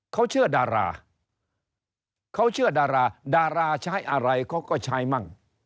เขาเชื่อดาราเขาเชื่อดาราดาราใช้อะไรเขาก็ใช้มั่ง